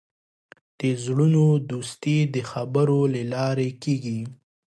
د زړونو دوستي د خبرو له لارې کېږي.